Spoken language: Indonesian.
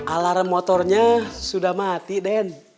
alarm motornya sudah mati den